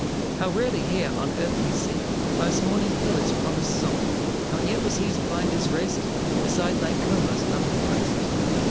How rarely here on earth we see Life's morning fill its promise soft. Not yet was he to find his rest Beside Lake Como's lovely breast.